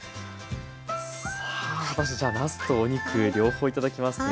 さあ私じゃあなすとお肉両方頂きますね。